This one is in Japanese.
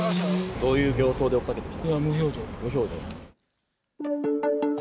どういう形相で追っかけてきたんですか。